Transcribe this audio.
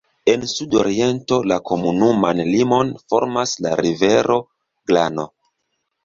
En sudoriento la komunuman limon formas la rivero Glano.